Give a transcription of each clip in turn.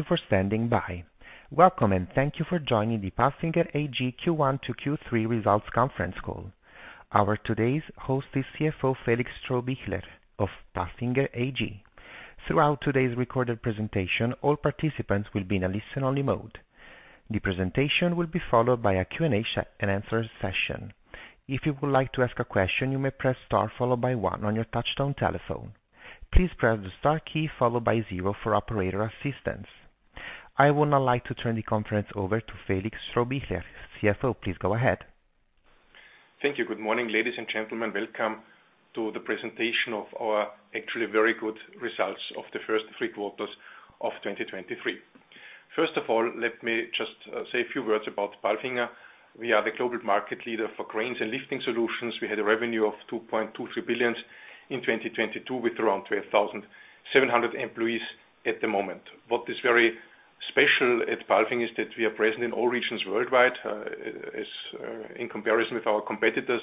Thank you for standing by. Welcome, and thank you for joining the PALFINGER AG Q1 to Q3 results conference call. Our today's host is CFO Felix Strohbichler of PALFINGER AG. Throughout today's recorded presentation, all participants will be in a listen-only mode. The presentation will be followed by a Q and A session. If you would like to ask a question, you may press star followed by one on your touchtone telephone. Please press the star key followed by zero for operator assistance. I would now like to turn the conference over to Felix Strohbichler, CFO. Please go ahead. Thank you. Good morning, ladies and gentlemen. Welcome to the presentation of our actually very good results of the first three quarters of 2023. First of all, let me just say a few words about PALFINGER. We are the global market leader for cranes and lifting solutions. We had a revenue of 2.23 billion in 2022, with around 12,700 employees at the moment. What is very special at PALFINGER is that we are present in all regions worldwide, as in comparison with our competitors,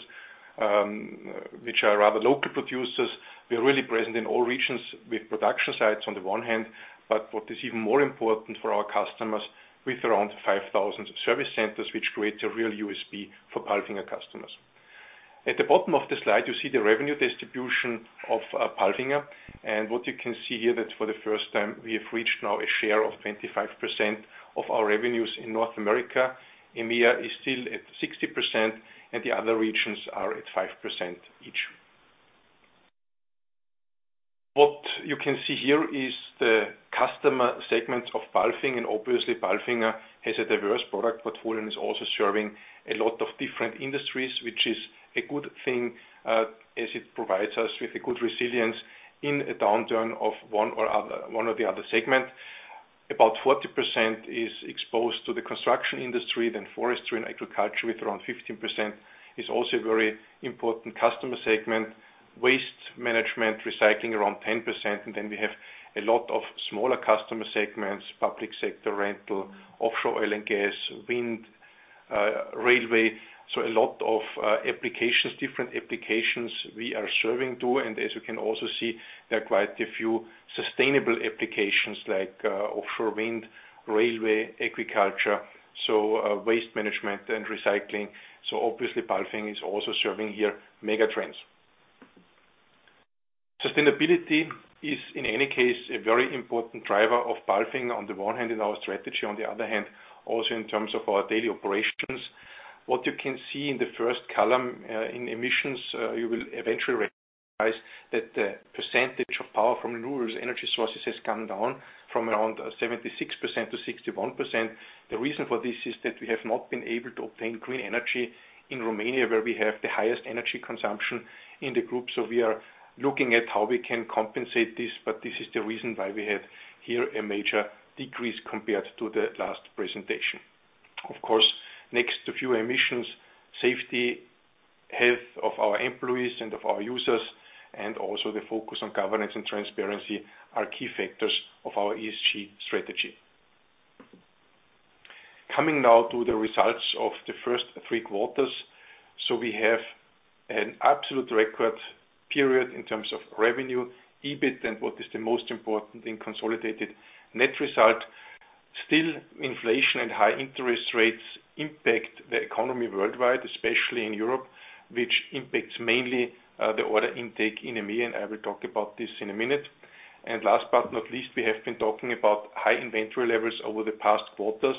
which are rather local producers. We are really present in all regions with production sites on the one hand, but what is even more important for our customers, with around 5,000 service centers, which creates a real USP for PALFINGER customers. At the bottom of the slide, you see the revenue distribution of PALFINGER. And what you can see here, that for the first time, we have reached now a share of 25% of our revenues in North America. EMEA is still at 60%, and the other regions are at 5% each. What you can see here is the customer segment of PALFINGER, and obviously, PALFINGER has a diverse product portfolio and is also serving a lot of different industries, which is a good thing, as it provides us with a good resilience in a downturn of one or the other segment. About 40% is exposed to the construction industry, then forestry and agriculture, with around 15%, is also a very important customer segment. Waste management, recycling, around 10%. And then we have a lot of smaller customer segments, public sector, rental, offshore oil and gas, wind, railway. So a lot of applications, different applications we are serving to. And as you can also see, there are quite a few sustainable applications like offshore wind, railway, agriculture, so waste management and recycling. So obviously, PALFINGER is also serving here mega trends. Sustainability is, in any case, a very important driver of PALFINGER, on the one hand, in our strategy, on the other hand, also in terms of our daily operations. What you can see in the first column in emissions, you will eventually recognize that the percentage of power from renewable energy sources has come down from around 76% to 61%. The reason for this is that we have not been able to obtain green energy in Romania, where we have the highest energy consumption in the group. So we are looking at how we can compensate this, but this is the reason why we have here a major decrease compared to the last presentation. Of course, next to few emissions, safety, health of our employees and of our users, and also the focus on governance and transparency are key factors of our ESG strategy. Coming now to the results of the first three quarters. So we have an absolute record period in terms of revenue, EBIT, and what is the most important in consolidated net result. Still, inflation and high interest rates impact the economy worldwide, especially in Europe, which impacts mainly the order intake in EMEA, and I will talk about this in a minute. Last but not least, we have been talking about high inventory levels over the past quarters.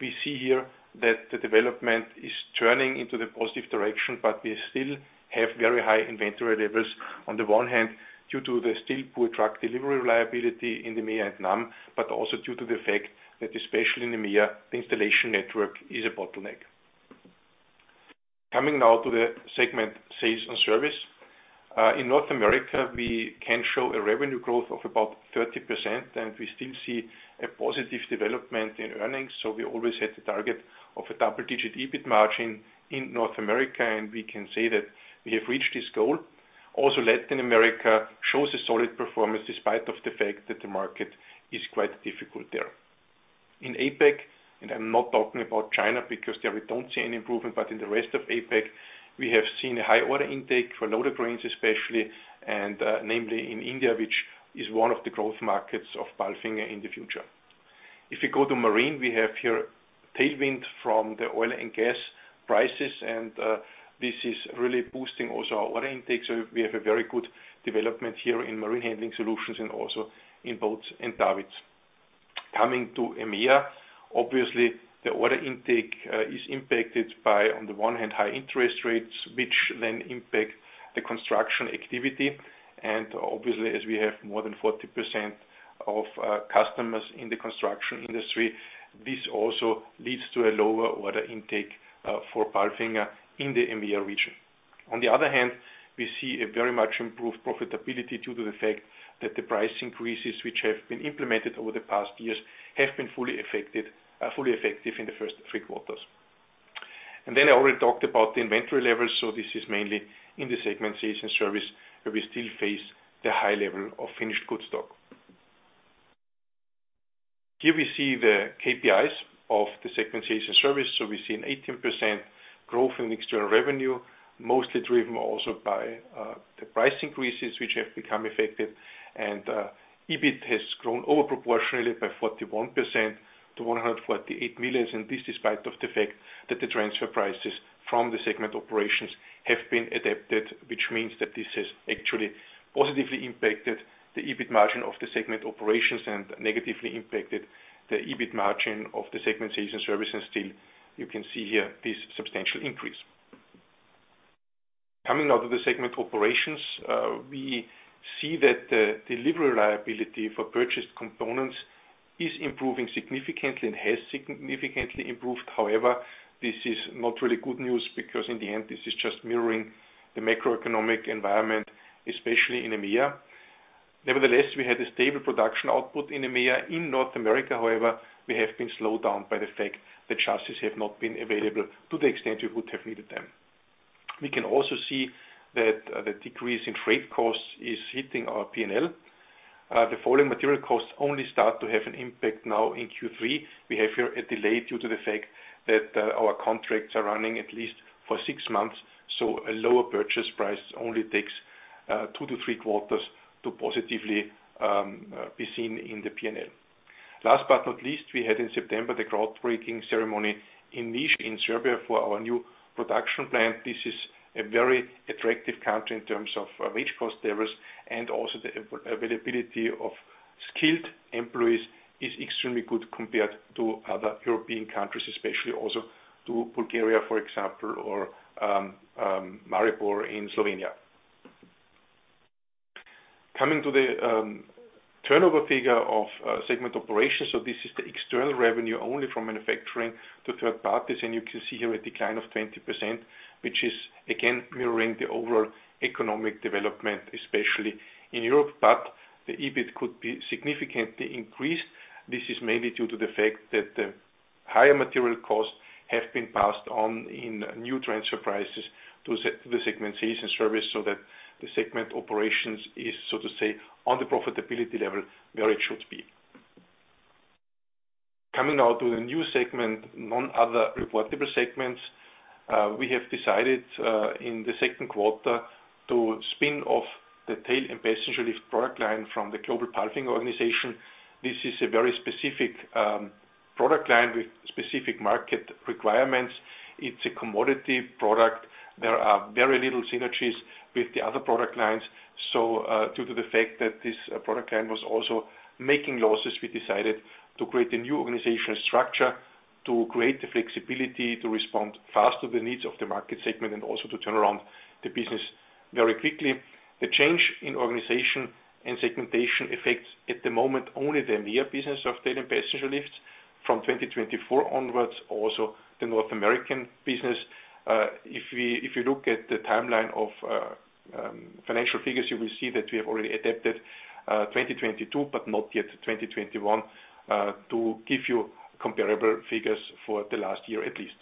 We see here that the development is turning into the positive direction, but we still have very high inventory levels. On the one hand, due to the still poor truck delivery reliability in the EMEA and NAM, but also due to the fact that, especially in EMEA, the installation network is a bottleneck. Coming now to the segment, sales and service. In North America, we can show a revenue growth of about 30%, and we still see a positive development in earnings. We always set a target of a double-digit EBIT margin in North America, and we can say that we have reached this goal. Also, Latin America shows a solid performance, despite of the fact that the market is quite difficult there. In APAC, and I'm not talking about China, because there we don't see any improvement, but in the rest of APAC, we have seen a high order intake for loader cranes, especially, and namely in India, which is one of the growth markets of PALFINGER in the future. If you go to marine, we have here tailwind from the oil and gas prices, and this is really boosting also our order intake. So we have a very good development here in marine handling solutions and also in boats and davits. Coming to EMEA, obviously, the order intake is impacted by, on the one hand, high interest rates, which then impact the construction activity. And obviously, as we have more than 40% of customers in the construction industry, this also leads to a lower order intake for PALFINGER in the EMEA region. On the other hand, we see a very much improved profitability due to the fact that the price increases, which have been implemented over the past years, have been fully effective in the first three quarters. And then I already talked about the inventory levels, so this is mainly in the segment Sales and Service, where we still face the high level of finished good stock. Here we see the KPIs of the segment Sales and Service. So we see an 18% growth in external revenue, mostly driven also by the price increases, which have become effective. And EBIT has grown over proportionally by 41% to 148 million, and this despite of the fact that the transfer prices from the segment operations have been adapted. Which means that this has actually positively impacted the EBIT margin of the segment operations and negatively impacted the EBIT margin of the segment sales and services. Still, you can see here this substantial increase. Coming out of the segment operations, we see that the delivery reliability for purchased components is improving significantly and has significantly improved. However, this is not really good news because in the end, this is just mirroring the macroeconomic environment, especially in EMEA. Nevertheless, we had a stable production output in EMEA. In North America, however, we have been slowed down by the fact that chassis have not been available to the extent we would have needed them. We can also see that the decrease in freight costs is hitting our P&L. The falling material costs only start to have an impact now in Q3. We have here a delay due to the fact that, our contracts are running at least for six months, so a lower purchase price only takes, two to three quarters to positively, be seen in the P&L. Last but not least, we had in September, the groundbreaking ceremony in Niš, in Serbia, for our new production plant. This is a very attractive country in terms of, wage cost levels, and also the availability of skilled employees is extremely good compared to other European countries, especially also to Bulgaria, for example, or, Maribor in Slovenia. Coming to the, turnover figure of, segment operations. So this is the external revenue only from manufacturing to third parties, and you can see here a decline of 20%, which is, again, mirroring the overall economic development, especially in Europe. But the EBIT could be significantly increased. This is mainly due to the fact that the higher material costs have been passed on in new transfer prices to the segment sales and service, so that the segment operations is, so to say, on the profitability level, where it should be. Coming now to the new segment, other reportable segments. We have decided in the second quarter to spin off the tail and passenger lift product line from the global PALFINGER organization. This is a very specific product line with specific market requirements. It's a commodity product. There are very little synergies with the other product lines. So, due to the fact that this product line was also making losses, we decided to create a new organizational structure to create the flexibility, to respond fast to the needs of the market segment, and also to turn around the business very quickly. The change in organization and segmentation affects, at the moment, only the EMEA business of tail and passenger lifts. From 2024 onwards, also the North American business. If you look at the timeline of financial figures, you will see that we have already adapted 2022, but not yet 2021, to give you comparable figures for the last year, at least.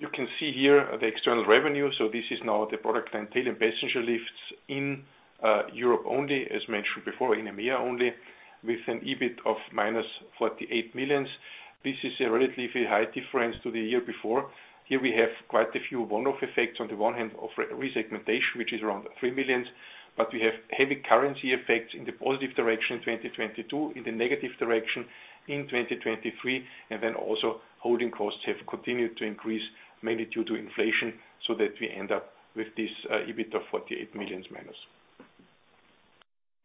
You can see here the external revenue. So this is now the product line Tail and Passenger Lifts in Europe only, as mentioned before, in EMEA only, with an EBIT of -48 million. This is a relatively high difference to the year before. Here we have quite a few one-off effects. On the one hand, of re-segmentation, which is around 3 million, but we have heavy currency effects in the positive direction in 2022, in the negative direction in 2023, and then also, holding costs have continued to increase, mainly due to inflation, so that we end up with this, EBIT of -48 million.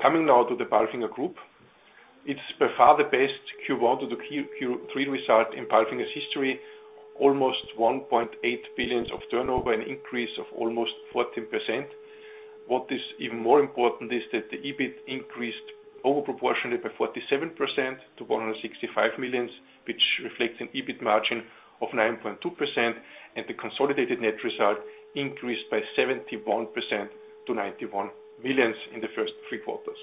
Coming now to the PALFINGER Group. It's by far the best Q1 to the Q3 result in PALFINGER's history, almost 1.8 billion of turnover, an increase of almost 14%. What is even more important is that the EBIT increased over proportionally by 47% to 165 million, which reflects an EBIT margin of 9.2%, and the consolidated net result increased by 71% to 91 million in the first three quarters.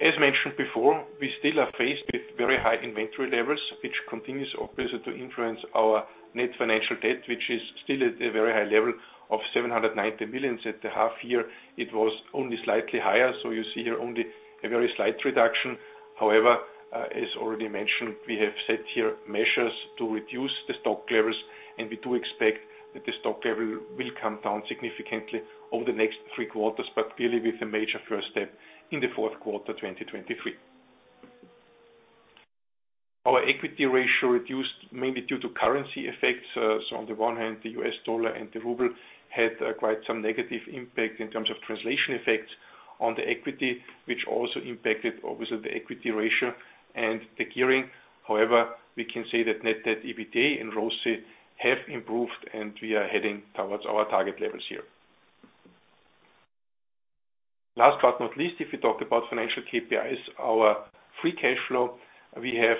As mentioned before, we still are faced with very high inventory levels, which continues, obviously, to influence our net financial debt, which is still at a very high level of 790 million. At the half year, it was only slightly higher, so you see here only a very slight reduction. However, as already mentioned, we have set here measures to reduce the stock levels, and we do expect that the stock level will come down significantly over the next three quarters, but clearly with a major first step in the fourth quarter 2023. Our equity ratio reduced mainly due to currency effects. So on the one hand, the US dollar and the ruble had quite some negative impact in terms of translation effects on the equity, which also impacted, obviously, the equity ratio and the gearing. However, we can say that net debt, EBITDA, and ROCE have improved, and we are heading towards our target levels here. Last but not least, if we talk about financial KPIs, our free cash flow, we have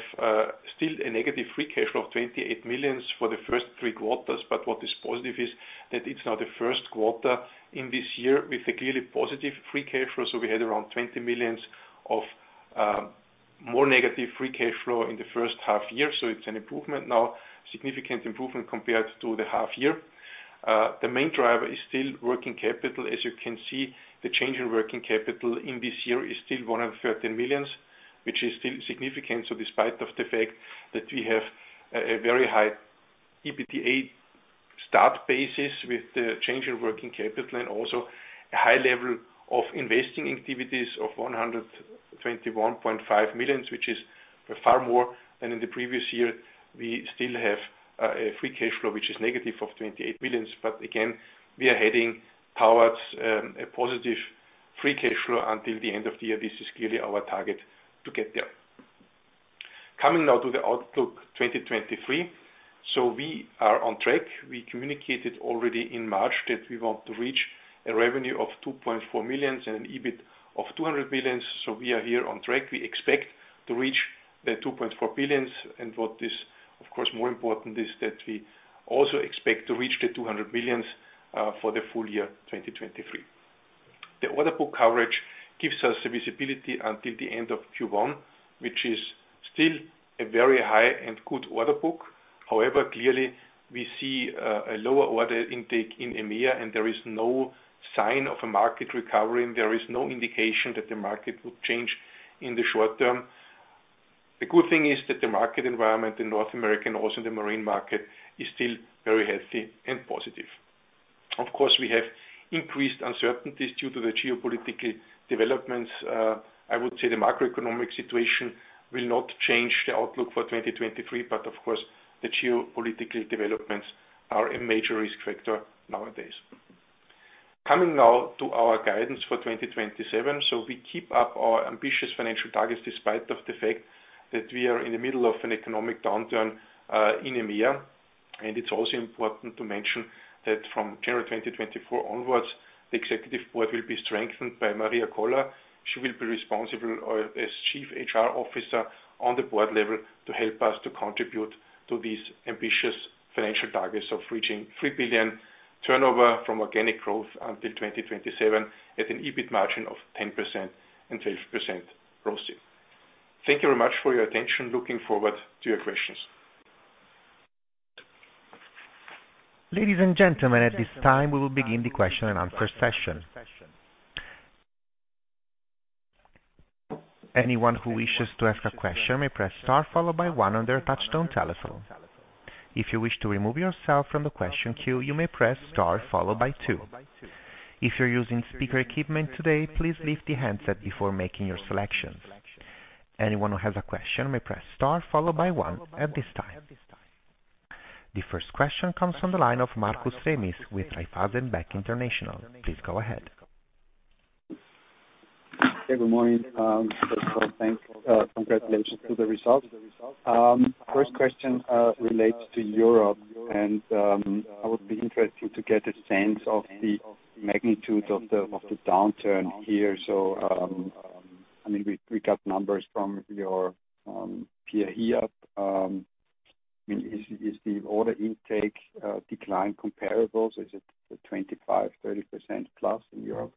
still a negative free cash flow of 28 million for the first three quarters, but what is positive is that it's now the first quarter in this year with a clearly positive free cash flow. So we had around 20 million of more negative free cash flow in the first half year. So it's an improvement now, significant improvement compared to the half year. The main driver is still working capital. As you can see, the change in working capital in this year is still 113 million, which is still significant. Despite the fact that we have a very high EBITDA start basis with the change in working capital and also a high level of investing activities of 121.5 million, which is far more than in the previous year, we still have a free cash flow, which is negative of 28 million. Again, we are heading towards a positive free cash flow until the end of the year. This is clearly our target to get there. Coming now to the outlook 2023. We are on track. We communicated already in March that we want to reach a revenue of 2.4 billion and an EBIT of 200 million. So we are here on track. We expect to reach the 2.4 billion, and what is, of course, more important is that we also expect to reach the 200 million for the full year 2023. The order book coverage gives us a visibility until the end of Q1, which is still a very high and good order book. However, clearly we see a lower order intake in EMEA, and there is no sign of a market recovery, and there is no indication that the market will change in the short term. The good thing is that the market environment in North America and also the marine market is still very healthy and positive. Of course, we have increased uncertainties due to the geopolitical developments. I would say the macroeconomic situation will not change the outlook for 2023, but of course, the geopolitical developments are a major risk factor nowadays. Coming now to our guidance for 2027. We keep up our ambitious financial targets, despite of the fact that we are in the middle of an economic downturn in EMEA. It's also important to mention that from January 2024 onwards, the executive board will be strengthened by Maria Koller. She will be responsible as Chief HR Officer on the board level to help us to contribute to these ambitious financial targets of reaching 3 billion turnover from organic growth until 2027, at an EBIT margin of 10% and 12% ROCE. Thank you very much for your attention. Looking forward to your questions. Ladies and gentlemen, at this time, we will begin the question and answer session. Anyone who wishes to ask a question may press star followed by one on their touchtone telephone. If you wish to remove yourself from the question queue, you may press star followed by two. If you're using speaker equipment today, please leave the handset before making your selections. Anyone who has a question may press star followed by one at this time. The first question comes from the line of Markus Remis with Raiffeisen Bank International. Please go ahead. Hey, good morning, thanks. Congratulations to the results. First question relates to Europe, and I would be interested to get a sense of the magnitude of the downturn here. So, I mean, we got numbers from your peer here. I mean, is the order intake decline comparable? Is it 25, 30% plus in Europe?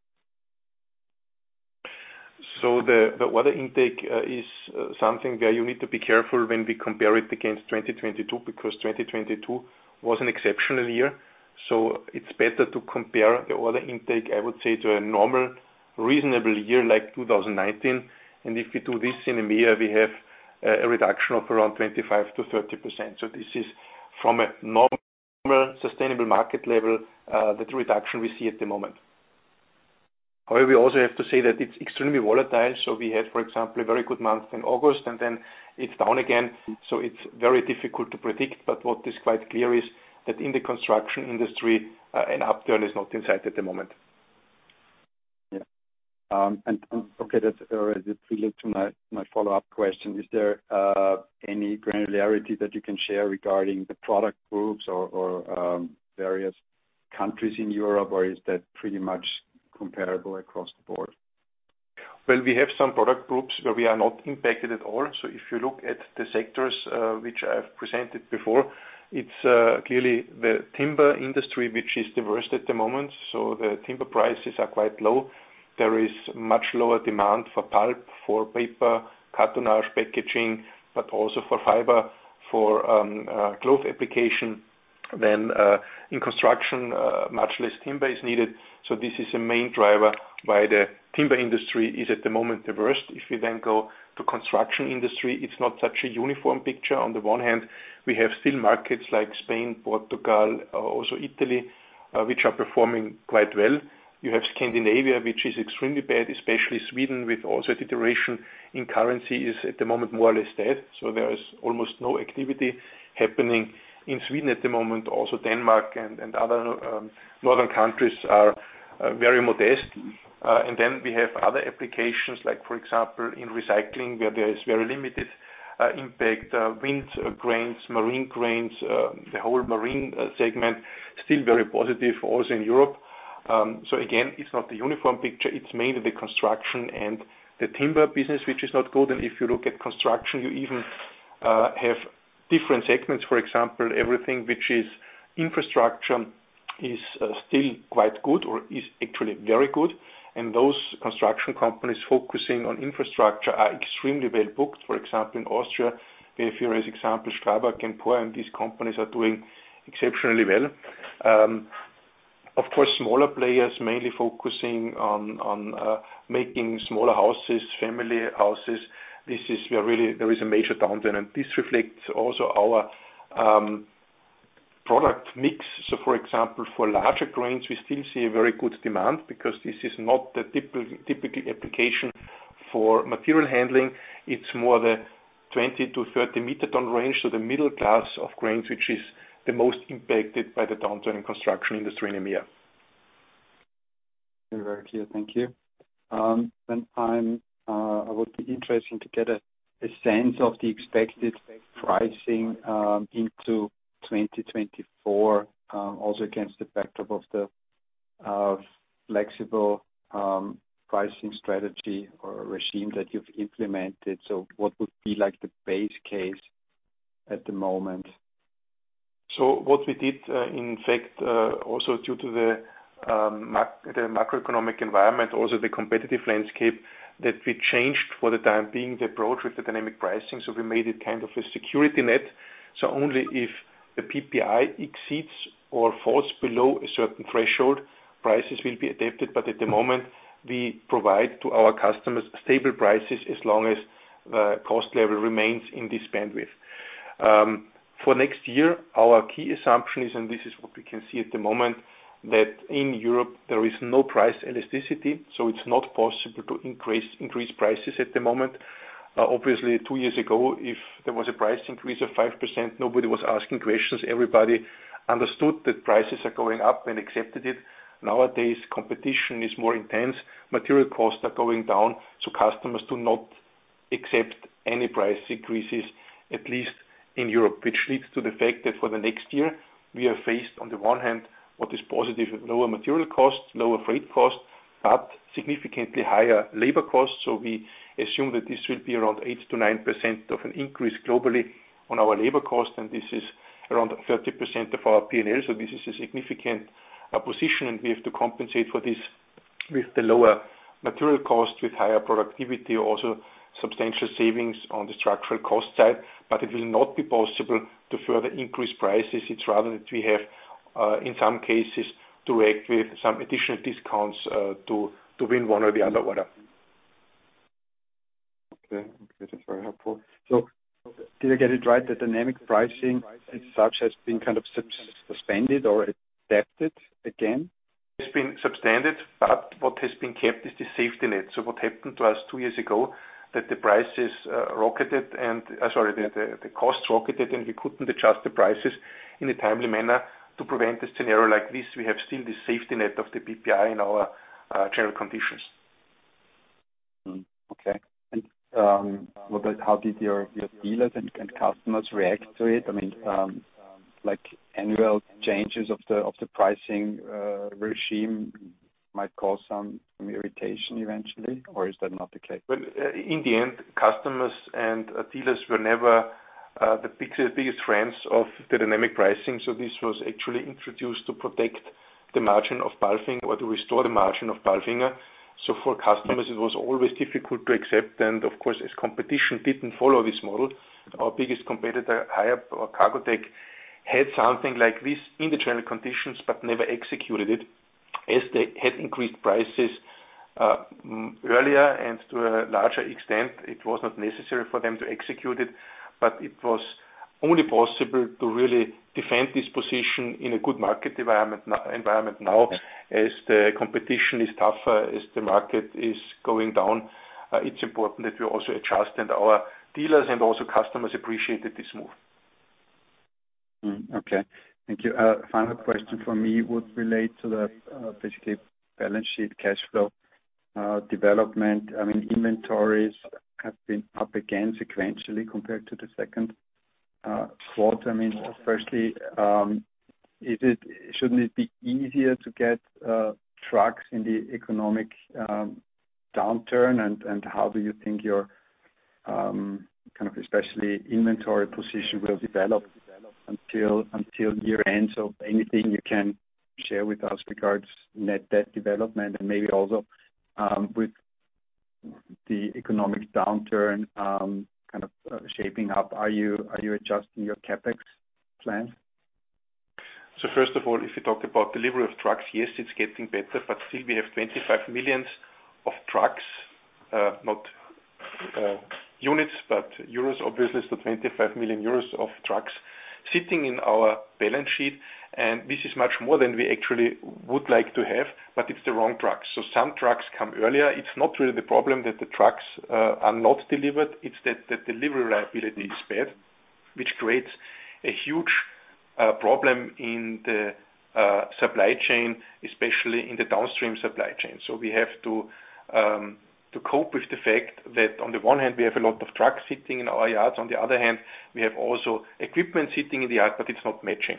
So the order intake is something where you need to be careful when we compare it against 2022, because 2022 was an exceptional year, so it's better to compare the order intake, I would say, to a normal, reasonable year, like 2019. And if we do this in a year, we have a reduction of around 25%-30%. So this is from a normal, sustainable market level, the reduction we see at the moment. However, we also have to say that it's extremely volatile. So we had, for example, a very good month in August, and then it's down again, so it's very difficult to predict. But what is quite clear is that in the construction industry, an upturn is not in sight at the moment. Yeah. And okay, that's that leads to my follow-up question. Is there any granularity that you can share regarding the product groups or various countries in Europe, or is that pretty much comparable across the board? Well, we have some product groups where we are not impacted at all. So if you look at the sectors, which I've presented before, it's clearly the timber industry, which is the worst at the moment. So the timber prices are quite low. There is much lower demand for pulp, for paper, cartonnage, packaging, but also for fiber, for cloth application. Then in construction, much less timber is needed. So this is a main driver why the timber industry is, at the moment, adverse. If we then go to construction industry, it's not such a uniform picture. On the one hand, we have still markets like Spain, Portugal, also Italy, which are performing quite well. You have Scandinavia, which is extremely bad, especially Sweden, with also devaluation in currency, is at the moment more or less dead. So there is almost no activity happening in Sweden at the moment. Also, Denmark and other northern countries are very modest. And then we have other applications like, for example, in recycling, where there is very limited impact, wind cranes, marine cranes, the whole marine segment, still very positive also in Europe. So again, it's not a uniform picture, it's mainly the construction and the timber business, which is not good. And if you look at construction, you even have different segments. For example, everything which is infrastructure is still quite good or is actually very good, and those construction companies focusing on infrastructure are extremely well-booked. For example, in Austria, we have here as example, STRABAG and PORR, and these companies are doing exceptionally well. Of course, smaller players mainly focusing on making smaller houses, family houses. This is where really there is a major downturn, and this reflects also our product mix. So, for example, for larger cranes, we still see a very good demand because this is not the typical application for material handling. It's more the 20-30 meter ton range, so the middle class of cranes, which is the most impacted by the downturn in construction industry in EMEA. Very clear. Thank you. Then I'm, I would be interesting to get a sense of the expected pricing into 2024, also against the backdrop of the flexible pricing strategy or regime that you've implemented. So what would be like the base case at the moment? What we did, in fact, also due to the macroeconomic environment, also the competitive landscape, that we changed for the time being, the approach with the dynamic pricing. We made it kind of a security net. Only if the PPI exceeds or falls below a certain threshold, prices will be adapted. But at the moment, we provide to our customers stable prices as long as cost level remains in this bandwidth. For next year, our key assumption is, and this is what we can see at the moment, that in Europe, there is no price elasticity, so it's not possible to increase, increase prices at the moment. Obviously, two years ago, if there was a price increase of 5%, nobody was asking questions. Everybody understood that prices are going up and accepted it. Nowadays, competition is more intense. Material costs are going down, so customers do not accept any price increases, at least in Europe, which leads to the fact that for the next year, we are faced, on the one hand, what is positive, lower material costs, lower freight costs, but significantly higher labor costs. So we assume that this will be around 8%-9% of an increase globally on our labor cost, and this is around 30% of our PNL. So this is a significant position, and we have to compensate for this with the lower material cost, with higher productivity, also substantial savings on the structural cost side. But it will not be possible to further increase prices. It's rather that we have, in some cases, to act with some additional discounts, to win one or the other order. Okay. Okay, that's very helpful. So did I get it right, the dynamic pricing as such, has been kind of suspended or adapted again? It's been substandard, but what has been kept is the safety net. So what happened to us two years ago, that the costs rocketed, and we couldn't adjust the prices in a timely manner to prevent a scenario like this. We have still the safety net of the PPI in our general conditions. Okay. And what about how did your dealers and customers react to it? I mean, like, annual changes of the pricing regime might cause some irritation eventually, or is that not the case? Well, in the end, customers and dealers were never the biggest friends of the dynamic pricing. So this was actually introduced to protect the margin of PALFINGER or to restore the margin of PALFINGER. So for customers, it was always difficult to accept. And of course, as competition didn't follow this model, our biggest competitor, Hiab or Cargotec, had something like this in the general conditions, but never executed it. As they had increased prices earlier and to a larger extent, it was not necessary for them to execute it. But it was only possible to really defend this position in a good market environment now. As the competition is tougher, as the market is going down, it's important that we also adjust, and our dealers and also customers appreciated this move. Okay. Thank you. Final question for me would relate to the basically balance sheet, cash flow development. I mean, inventories have been up again sequentially compared to the second quarter. I mean, firstly, is it—shouldn't it be easier to get trucks in the economic downturn? And how do you think your kind of especially inventory position will develop until year-end? So anything you can share with us regards net debt development and maybe also with the economic downturn kind of shaping up, are you adjusting your CapEx plan? So first of all, if you talk about delivery of trucks, yes, it's getting better, but still we have 25 millions of trucks, not units, but euros, obviously, so 25 million euros of trucks sitting in our balance sheet, and this is much more than we actually would like to have, but it's the wrong trucks. So some trucks come earlier. It's not really the problem that the trucks are not delivered, it's that the delivery reliability is bad, which creates a huge problem in the supply chain, especially in the downstream supply chain. So we have to cope with the fact that on the one hand, we have a lot of trucks sitting in our yards, on the other hand, we have also equipment sitting in the yard, but it's not matching.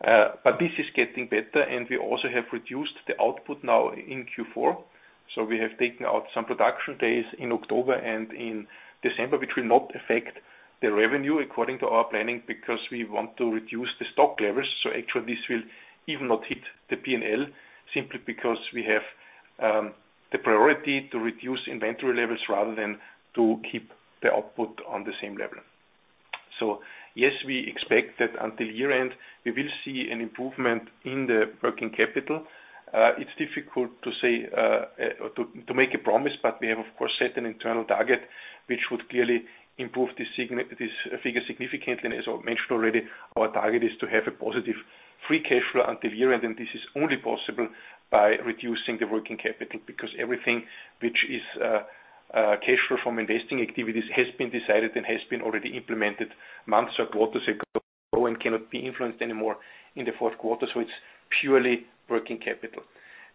But this is getting better, and we also have reduced the output now in Q4. So we have taken out some production days in October and in December, which will not affect the revenue according to our planning, because we want to reduce the stock levels. So actually, this will even not hit the P&L simply because we have the priority to reduce inventory levels rather than to keep the output on the same level. So yes, we expect that until year-end, we will see an improvement in the working capital. It's difficult to say to make a promise, but we have, of course, set an internal target, which would clearly improve this figure significantly. And as I mentioned already, our target is to have a positive free cash flow until year-end, and this is only possible by reducing the working capital. Because everything which is cash flow from investing activities has been decided and has been already implemented, months or quarters ago, and cannot be influenced anymore in the fourth quarter. So it's purely working capital.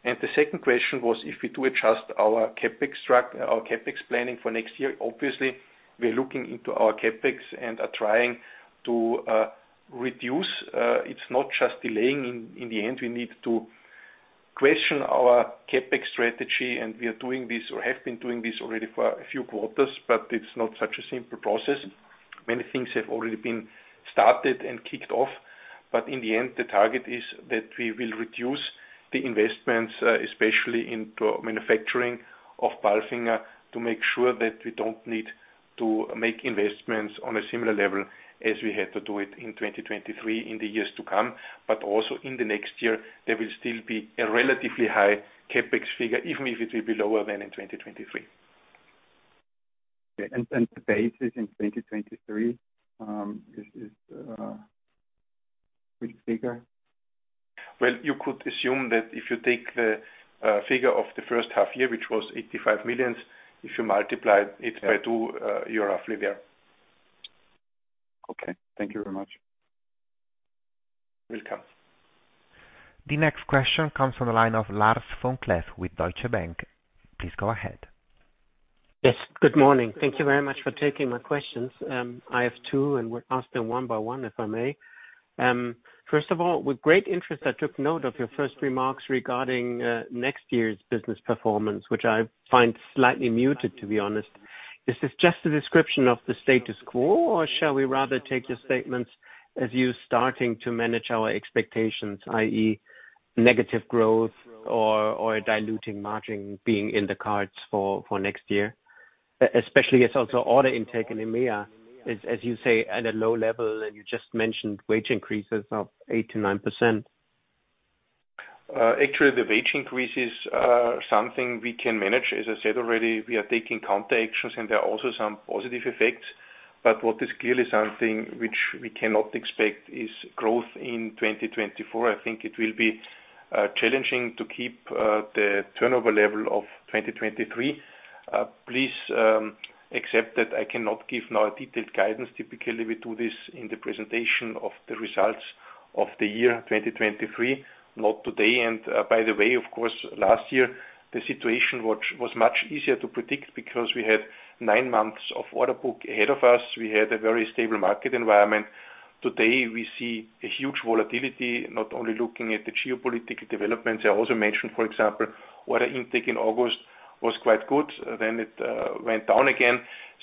And the second question was, if we do adjust our CapEx, our CapEx planning for next year. Obviously, we're looking into our CapEx and are trying to reduce. It's not just delaying. In the end, we need to question our CapEx strategy, and we are doing this or have been doing this already for a few quarters, but it's not such a simple process. Many things have already been started and kicked off, but in the end, the target is that we will reduce the investments, especially into manufacturing of PALFINGER, to make sure that we don't need to make investments on a similar level as we had to do it in 2023, in the years to come. But also in the next year, there will still be a relatively high CapEx figure, even if it will be lower than in 2023. Okay, and the base is in 2023, which figure? Well, you could assume that if you take the figure of the first half year, which was 85 million, if you multiply it by two, you're roughly there. Okay. Thank you very much. Welcome. The next question comes from the line of Lars Vom-Cleff with Deutsche Bank. Please go ahead. Yes, good morning. Thank you very much for taking my questions. I have two, and will ask them one by one, if I may. First of all, with great interest, I took note of your first remarks regarding next year's business performance, which I find slightly muted, to be honest. Is this just a description of the status quo, or shall we rather take your statements as you starting to manage our expectations, i.e., negative growth or diluting margin being in the cards for next year? Especially as also order intake in EMEA is, as you say, at a low level, and you just mentioned wage increases of 8%-9%. Actually, the wage increase is something we can manage. As I said already, we are taking counter actions, and there are also some positive effects. But what is clearly something which we cannot expect is growth in 2024. I think it will be challenging to keep the turnover level of 2023. Please accept that I cannot give now a detailed guidance. Typically, we do this in the presentation of the results of the year 2023, not today. By the way, of course, last year, the situation was much easier to predict because we had nine months of order book ahead of us. We had a very stable market environment. Today, we see a huge volatility, not only looking at the geopolitical developments. I also mentioned, for example, order intake in August was quite good, then it went down again.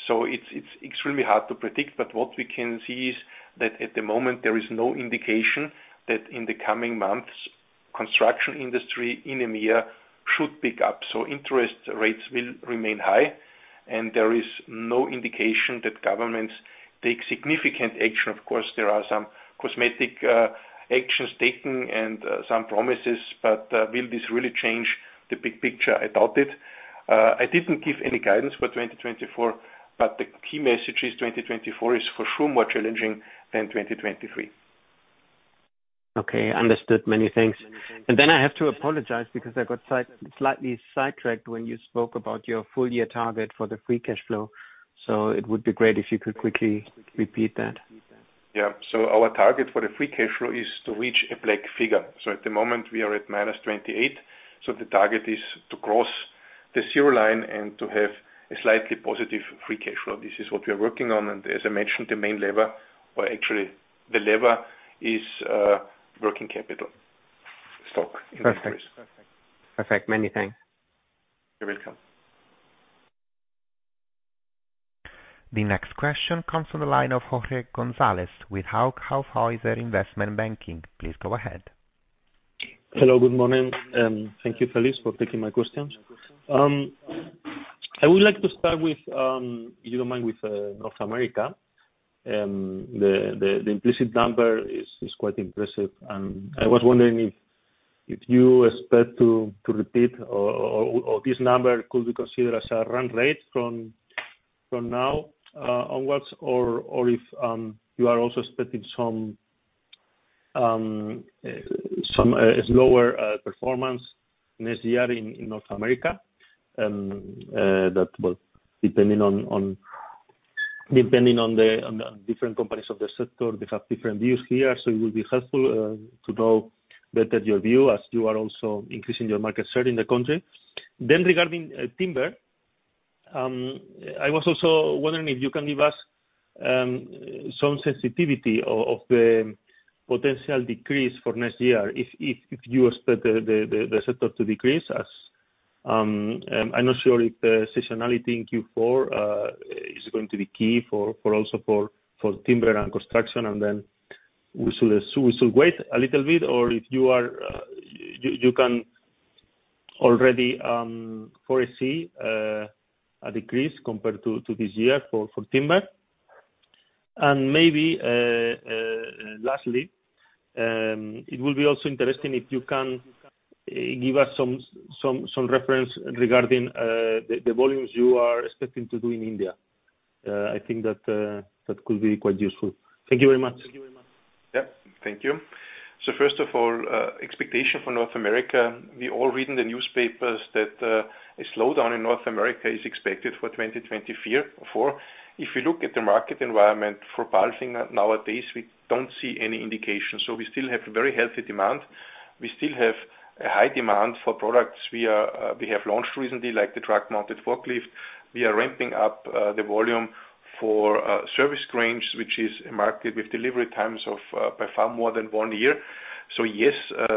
So it's extremely hard to predict, but what we can see is that at the moment, there is no indication that in the coming months, construction industry in EMEA should pick up. So interest rates will remain high, and there is no indication that governments take significant action. Of course, there are some cosmetic actions taken and some promises, but will this really change the big picture? I doubt it. I didn't give any guidance for 2024, but the key message is, 2024 is for sure more challenging than 2023. Okay, understood. Many thanks. Then I have to apologize because I got slightly sidetracked when you spoke about your full year target for the free cash flow. It would be great if you could quickly repeat that. Yeah. So our target for the free cash flow is to reach a black figure. So at the moment we are at -28. So the target is to cross the zero line and to have a slightly positive free cash flow. This is what we are working on, and as I mentioned, the main lever, or actually the lever is, working capital stock. Perfect. Perfect. Many thanks. You're welcome. The next question comes from the line of Jorge González with Hauck Aufhäuser Investment Banking. Please go ahead. Hello, good morning, thank you, Felix, for taking my questions. I would like to start with, if you don't mind, with North America. The implicit number is quite impressive, and I was wondering if you expect to repeat or this number could be considered as a run rate from now onwards, or if you are also expecting some slower performance next year in North America. That well, depending on the different companies of the sector, they have different views here. So it will be helpful to know better your view as you are also increasing your market share in the country. Regarding timber, I was also wondering if you can give us some sensitivity of the potential decrease for next year, if you expect the sector to decrease as, I'm not sure if the seasonality in Q4 is going to be key also for timber and construction, and then we should wait a little bit, or if you can already foresee a decrease compared to this year for timber. Maybe, lastly, it will be also interesting if you can give us some reference regarding the volumes you are expecting to do in India. I think that could be quite useful. Thank you very much. Yep. Thank you. So first of all, expectation for North America, we all read in the newspapers that a slowdown in North America is expected for 2024. If you look at the market environment for PALFINGER nowadays, we don't see any indication, so we still have a very healthy demand. We still have a high demand for products we are, we have launched recently, like the truck-mounted forklift. We are ramping up the volume for service cranes, which is a market with delivery times of by far more than one year. So yes,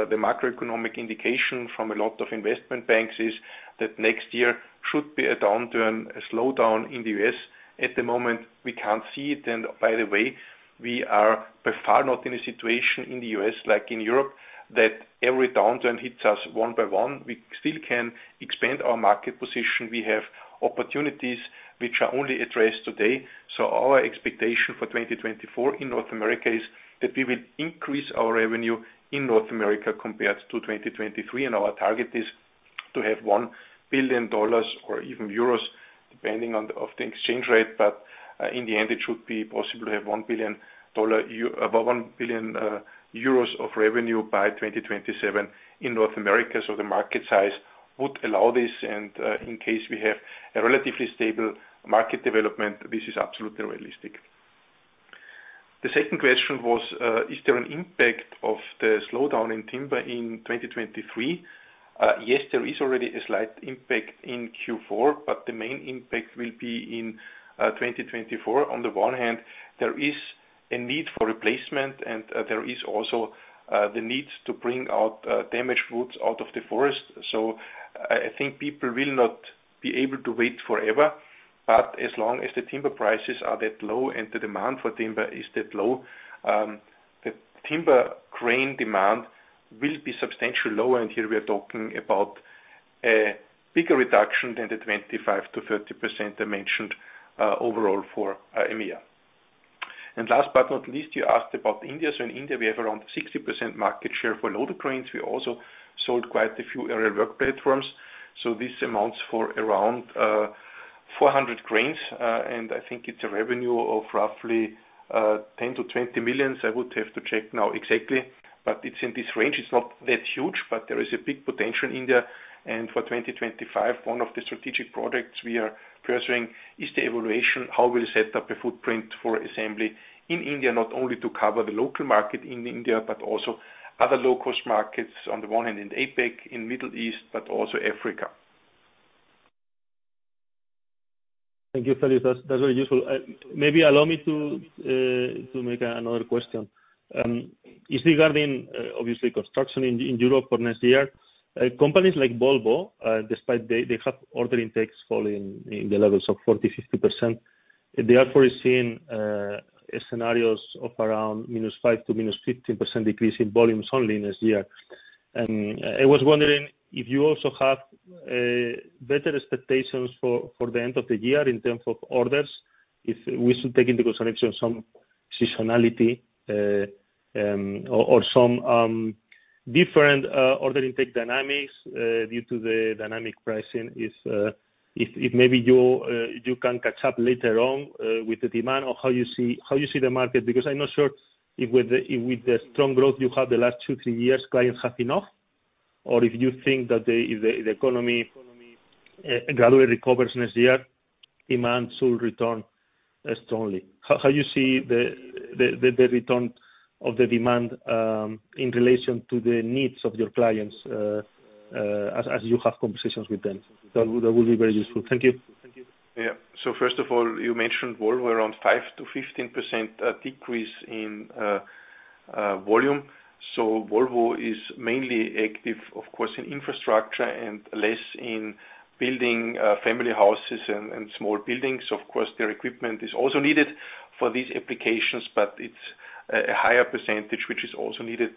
the macroeconomic indication from a lot of investment banks is that next year should be a downturn, a slowdown in the U.S. At the moment, we can't see it, and by the way, we are by far not in a situation in the U.S. like in Europe, that every downturn hits us one by one. We still can expand our market position. We have opportunities which are only addressed today. Our expectation for 2024 in North America is that we will increase our revenue in North America compared to 2023, and our target is to have $1 billion or even EUR 1 billion, depending on the exchange rate. In the end, it should be possible to have $1 billion, about 1 billion euros of revenue by 2027 in North America. The market size would allow this, and in case we have a relatively stable market development, this is absolutely realistic. The second question was, is there an impact of the slowdown in timber in 2023? Yes, there is already a slight impact in Q4, but the main impact will be in 2024. On the one hand, there is a need for replacement, and there is also the need to bring out damaged woods out of the forest. So I, I think people will not be able to wait forever, but as long as the timber prices are that low and the demand for timber is that low, the timber crane demand will be substantially lower. And here we are talking about a bigger reduction than the 25%-30% I mentioned overall for EMEA. And last but not least, you asked about India. So in India, we have around 60% market share for loader cranes. We also sold quite a few aerial work platforms, so this amounts for around 400 cranes, and I think it's a revenue of roughly 10 million-20 million. I would have to check now exactly, but it's in this range. It's not that huge, but there is a big potential in India. And for 2025, one of the strategic projects we are pursuing is the evaluation, how we'll set up a footprint for assembly in India, not only to cover the local market in India, but also other low-cost markets, on the one hand, in APAC, in Middle East, but also Africa. Thank you, Felix. That's, that's very useful. Maybe allow me to to make another question. Is regarding, obviously, construction in, in Europe for next year. Companies like Volvo, despite they, they have order intakes falling in the levels of 40, 50%, they are foreseen, scenarios of around -5% to 15% decrease in volumes only next year. And I was wondering if you also have, better expectations for, for the end of the year in terms of orders, if we should take into consideration some seasonality, or, or some, different, order intake dynamics, due to the dynamic pricing. If maybe you can catch up later on with the demand or how you see the market, because I'm not sure if with the strong growth you have the last two, three years, clients have enough, or if you think that the economy gradually recovers next year, demand should return strongly. How you see the return of the demand in relation to the needs of your clients, as you have conversations with them? That would be very useful. Thank you. Yeah. So first of all, you mentioned Volvo, around 5%-15% decrease in volume. So Volvo is mainly active, of course, in infrastructure and less in building family houses and small buildings. Of course, their equipment is also needed for these applications, but it's a higher percentage, which is also needed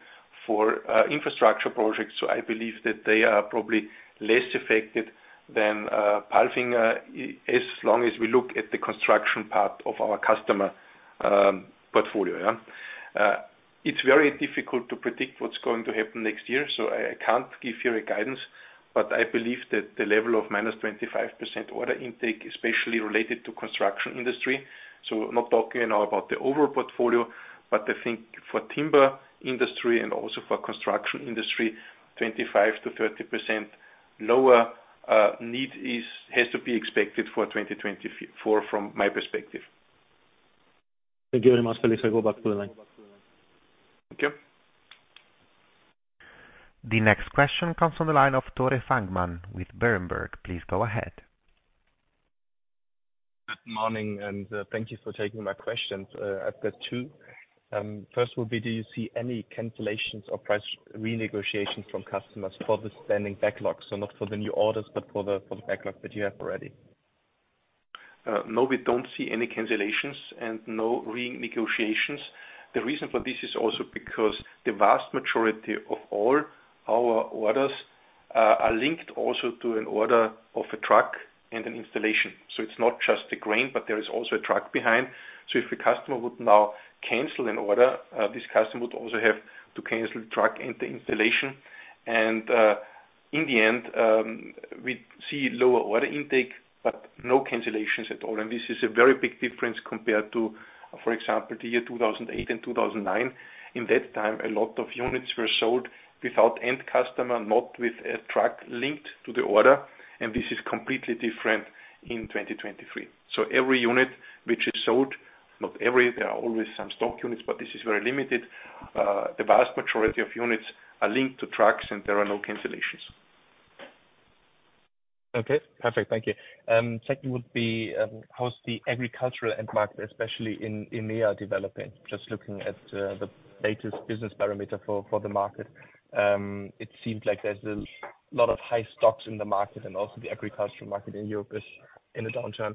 for infrastructure projects. So I believe that they are probably less affected than PALFINGER, as long as we look at the construction part of our customer portfolio, yeah. It's very difficult to predict what's going to happen next year, so I, I can't give you a guidance, but I believe that the level of -25% order intake, especially related to construction industry, so I'm not talking now about the overall portfolio, but I think for timber industry and also for construction industry, 25%-30% lower need has to be expected for 2024, from my perspective. Thank you very much, Felix. I go back to the line. Thank you. The next question comes from the line of Tore Fangmann with Berenberg. Please go ahead. Good morning, and thank you for taking my questions. I've got two. First will be, do you see any cancellations or price renegotiations from customers for the standing backlog? So not for the new orders, but for the backlog that you have already. No, we don't see any cancellations and no renegotiations. The reason for this is also because the vast majority of all our orders are linked also to an order of a truck and an installation. So it's not just the crane, but there is also a truck behind. So if the customer would now cancel an order, this customer would also have to cancel truck and the installation. And, in the end, we see lower order intake, but no cancellations at all. And this is a very big difference compared to, for example, the year 2008 and 2009. In that time, a lot of units were sold without end customer, not with a truck linked to the order, and this is completely different in 2023. So every unit which is sold, not every, there are always some stock units, but this is very limited. The vast majority of units are linked to trucks, and there are no cancellations. Okay, perfect. Thank you. Second would be, how is the agricultural end market, especially in India, developing? Just looking at the latest business parameter for the market. It seems like there's a lot of high stocks in the market, and also the agricultural market in Europe is in a downturn.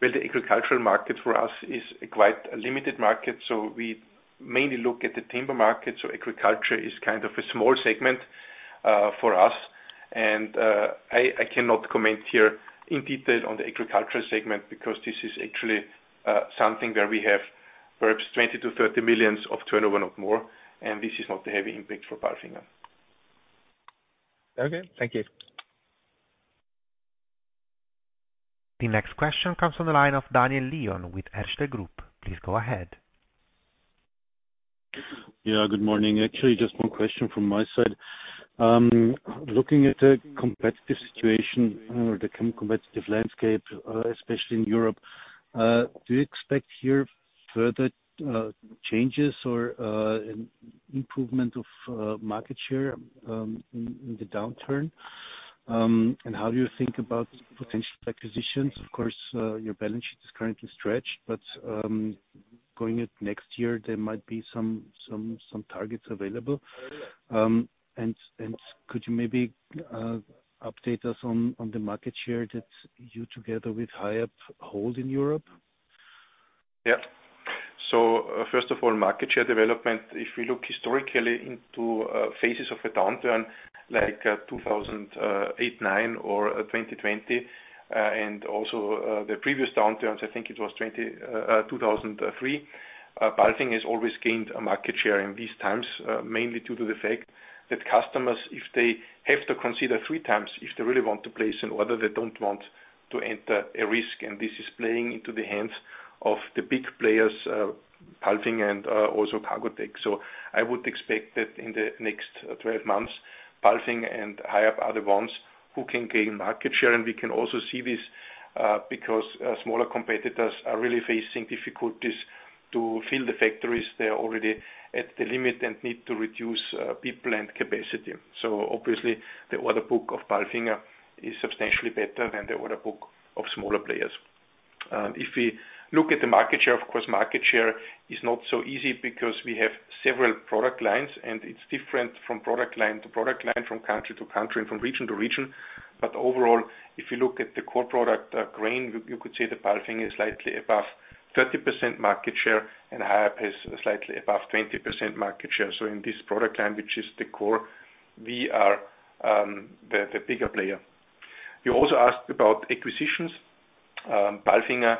Well, the agricultural market for us is quite a limited market, so we mainly look at the timber market. So agriculture is kind of a small segment for us. I cannot comment here in detail on the agricultural segment because this is actually something where we have perhaps 20 million-30 million of turnover or more, and this is not a heavy impact for PALFINGER. Okay, thank you. The next question comes from the line of Daniel Lion with Erste Group. Please go ahead. Yeah, good morning. Actually, just one question from my side. Looking at the competitive situation or the competitive landscape, especially in Europe, do you expect here further changes or improvement of market share in the downturn? And how do you think about potential acquisitions? Of course, your balance sheet is currently stretched, but going at next year, there might be some targets available. And could you maybe update us on the market share that you together with Hiab hold in Europe? Yeah. So, first of all, market share development. If we look historically into phases of a downturn like 2008-2009 or 2020, and also the previous downturns, I think it was 2003. PALFINGER has always gained a market share in these times, mainly due to the fact that customers, if they have to consider three times, if they really want to place an order, they don't want to enter a risk. And this is playing into the hands of the big players, PALFINGER and also Cargotec. So I would expect that in the next 12 months, PALFINGER and Hiab are the ones who can gain market share. And we can also see this, because smaller competitors are really facing difficulties to fill the factories. They are already at the limit and need to reduce people and capacity. So obviously, the order book of PALFINGER is substantially better than the order book of smaller players. If we look at the market share, of course, market share is not so easy because we have several product lines, and it's different from product line to product line, from country to country, and from region to region. But overall, if you look at the core product, crane, you, you could say that PALFINGER is slightly above 30% market share, and higher up is slightly above 20% market share. So in this product line, which is the core, we are the bigger player. You also asked about acquisitions. PALFINGER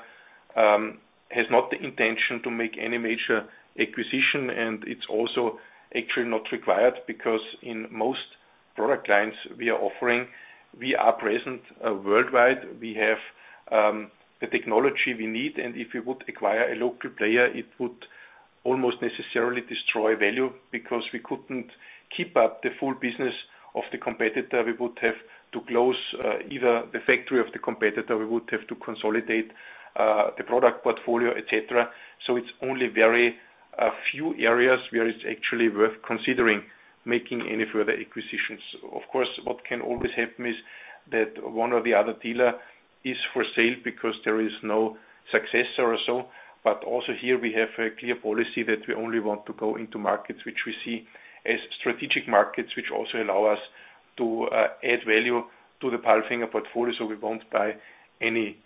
has not the intention to make any major acquisition, and it's also actually not required because in most product lines we are offering, we are present worldwide. We have the technology we need, and if we would acquire a local player, it would almost necessarily destroy value because we couldn't keep up the full business of the competitor. We would have to close either the factory of the competitor. We would have to consolidate the product portfolio, et cetera. So it's only very few areas where it's actually worth considering making any further acquisitions. Of course, what can always happen is that one or the other dealer is for sale because there is no successor or so. But also here we have a clear policy that we only want to go into markets which we see as strategic markets, which also allow us to add value to the PALFINGER portfolio, so we won't buy any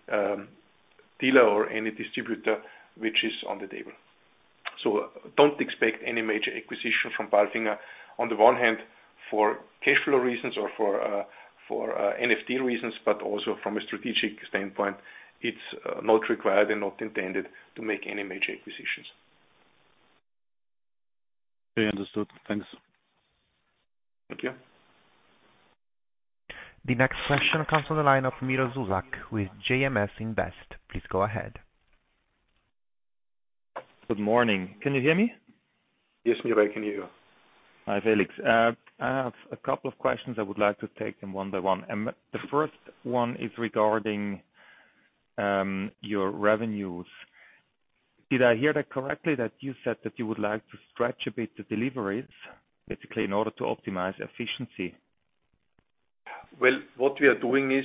dealer or any distributor which is on the table. So don't expect any major acquisition from PALFINGER. On the one hand, for cash flow reasons or for NFD reasons, but also from a strategic standpoint, it's not required and not intended to make any major acquisitions. Okay, understood. Thanks. Thank you. The next question comes from the line of Miro Zuzak with JMS Invest. Please go ahead. Good morning. Can you hear me? Yes, Miro, I can hear you. Hi, Felix. I have a couple of questions I would like to take them one by one. The first one is regarding your revenues. Did I hear that correctly, that you said that you would like to stretch a bit, the deliveries, basically, in order to optimize efficiency? Well, what we are doing is,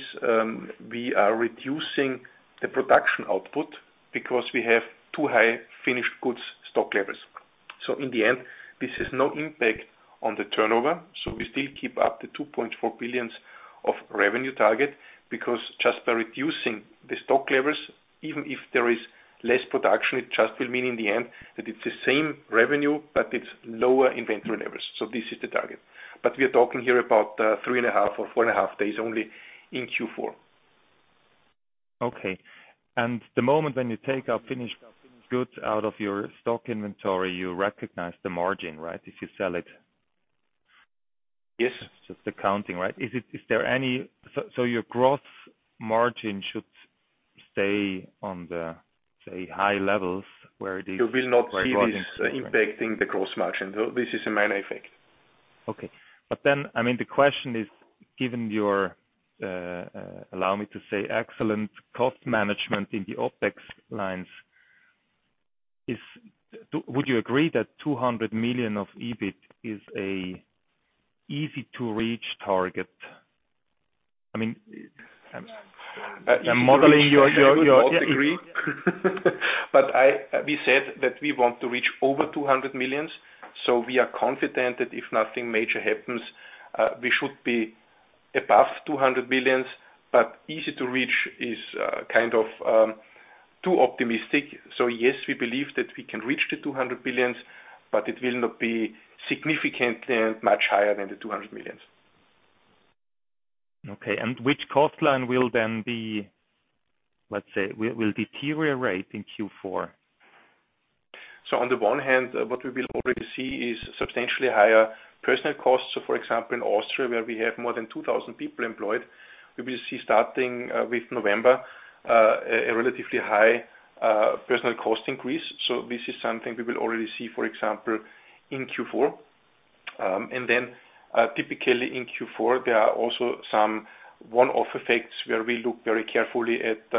we are reducing the production output because we have too high finished goods stock levels. So in the end, this has no impact on the turnover, so we still keep up the 2.4 billion revenue target, because just by reducing the stock levels, even if there is less production, it just will mean in the end, that it's the same revenue, but it's lower inventory levels. So this is the target. But we are talking here about, 3.5 or 4.5 days, only in Q4. Okay. The moment when you take our finished goods out of your stock inventory, you recognize the margin, right? If you sell it. Yes. Just accounting, right? Is it? Is there any? So, so your growth margin should stay on the, say, high levels, where it is— You will not see this impacting the gross margin, though. This is a minor effect. Okay. The question is, given your, allow me to say, excellent cost management in the OpEx lines, do you agree that 200 million of EBIT is an easy-to-reach target? I mean, I'm modeling your, your, your— But we said that we want to reach over 200 million, so we are confident that if nothing major happens, we should be above 200 billion. But easy to reach is kind of too optimistic. So yes, we believe that we can reach the 200 billion, but it will not be significantly much higher than the 200 million. Okay, and which cost line will then be, let's say, will deteriorate in Q4? On the one hand, what we will already see is substantially higher personnel costs. For example, in Austria, where we have more than 2,000 people employed, we will see, starting with November, a relatively high personnel cost increase. This is something we will already see, for example, in Q4. Typically in Q4, there are also some one-off effects where we look very carefully at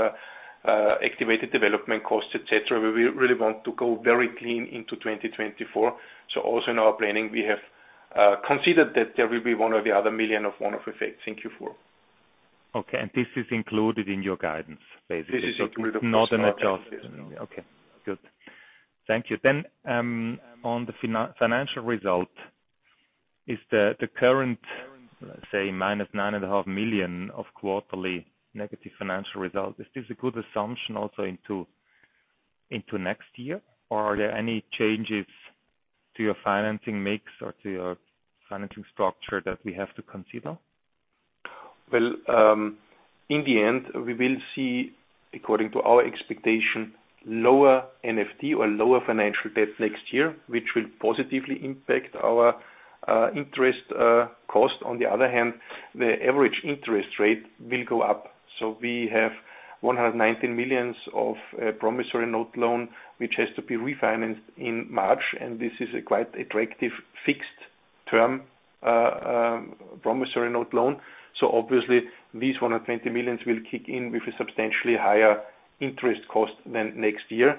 activated development costs, et cetera. We really want to go very clean into 2024. Also in our planning, we have considered that there will be one or the other million of one-off effects in Q4. Okay, and this is included in your guidance, basically? This is included. Not an adjustment. Okay, good. Thank you. Then, on the financial result, is the current, let's say, minus 9.5 million of quarterly negative financial results, is this a good assumption also into next year? Or are there any changes to your financing mix or to your financing structure that we have to consider? Well, in the end, we will see, according to our expectation, lower NFD or lower financial debt next year, which will positively impact our interest cost. On the other hand, the average interest rate will go up. So we have 119 million of promissory note loan, which has to be refinanced in March, and this is a quite attractive fixed term promissory note loan. So obviously, these 119 million will kick in with a substantially higher interest cost than next year.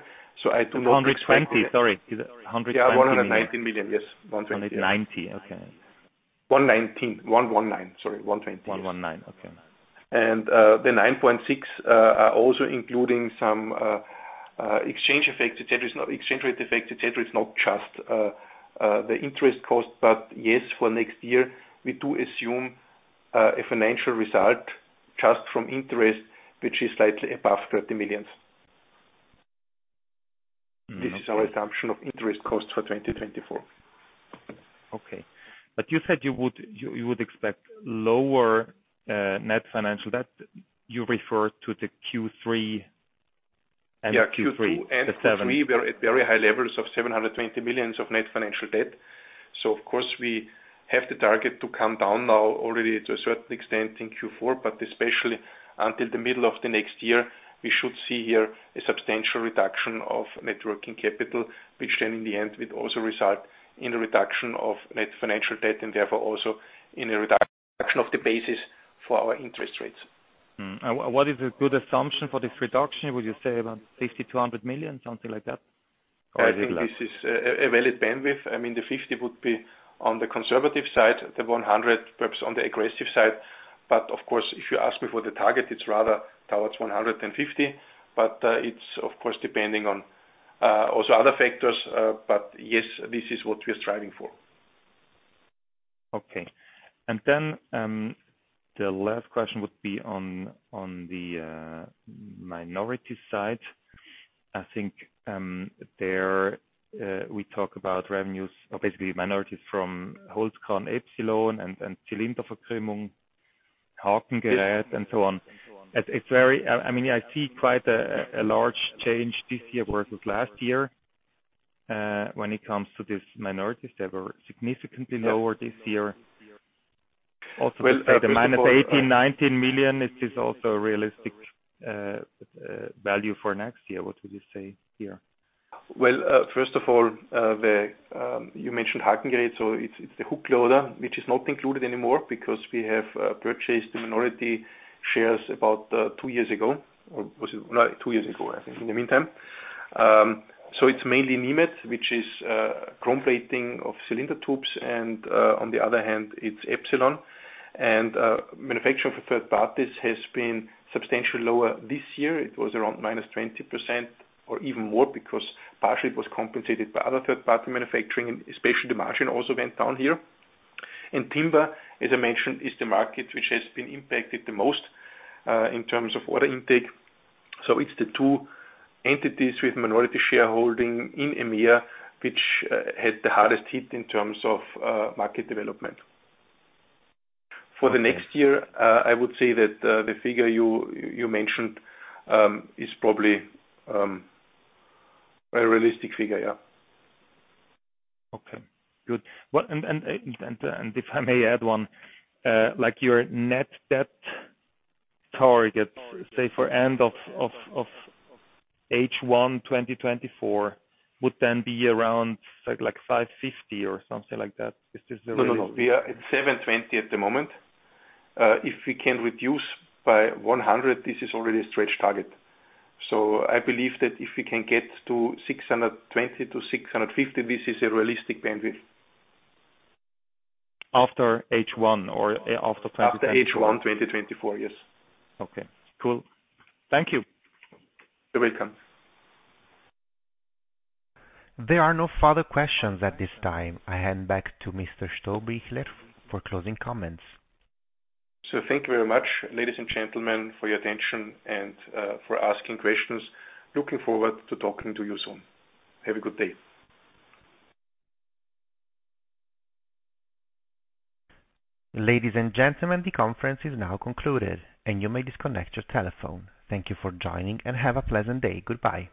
So I do not- 120, sorry. 120. Yeah, 119 million, yes. 190, okay. 119, 119, sorry. 120. 119, okay. The 9.6 are also including some exchange effects, et cetera. It's not exchange rate effects, et cetera. It's not just the interest cost, but yes, for next year, we do assume a financial result just from interest, which is slightly above 30 million. Mm-hmm. This is our assumption of interest costs for 2024. Okay. But you said you would expect lower net financial debt. You refer to the Q3 and Q2? Yeah, Q2. The seven. In Q3, we are at very high levels of 720 million of net financial debt. So of course, we have the target to come down now already to a certain extent in Q4, but especially until the middle of the next year, we should see here a substantial reduction of net working capital, which then in the end, will also result in a reduction of net financial debt, and therefore, also in a reduction of the basis for our interest rates. And what, what is a good assumption for this reduction? Would you say about 50 million-100 million, something like that? Or is it like- I think this is a valid bandwidth. I mean, the 50 would be on the conservative side, the 100, perhaps on the aggressive side. But of course, if you ask me for the target, it's rather towards 150. But, it's of course, depending on also other factors, but yes, this is what we are striving for. Okay. And then, the last question would be on, on the, minority side. I think, there, we talk about revenues, or basically minorities from Holzkran, Epsilon and, and Zylinderverchromung, Hakengerät, and so on. It's, it's very, I mean, I see quite a, a large change this year versus last year, when it comes to this minorities. They were significantly lower this year. Also, the -18 million, -19 million, it is also a realistic, value for next year. What would you say here? Well, first of all, you mentioned Hakenlift, so it's the hook loader, which is not included anymore because we have purchased the minority shares about two years ago. Or was it? No, two years ago, I think, in the meantime. So it's mainly Nimet, which is chrome plating of cylinder tubes, and on the other hand, it's Epsilon. And manufacturing for third parties has been substantially lower this year. It was around minus 20% or even more, because partially it was compensated by other third-party manufacturing, and especially the margin also went down here. And timber, as I mentioned, is the market which has been impacted the most in terms of order intake. So it's the two entities with minority shareholding in EMEA, which had the hardest hit in terms of market development. For the next year, I would say that the figure you, you mentioned is probably a realistic figure, yeah. Okay, good. Well, if I may add one, like, your net debt target, say, for end of H1 2024, would then be around, like, 550 million or something like that. Is this the— No, no, no. We are at 720 at the moment. If we can reduce by 100, this is already a stretch target. So I believe that if we can get to 620-650, this is a realistic bandwidth. After H1 or after 2024. After H1 2024, yes. Okay, cool. Thank you. You're welcome. There are no further questions at this time. I hand back to Mr. Strohbichler for closing comments. Thank you very much, ladies and gentlemen, for your attention and for asking questions. Looking forward to talking to you soon. Have a good day. Ladies and gentlemen, the conference is now concluded, and you may disconnect your telephone. Thank you for joining, and have a pleasant day. Goodbye.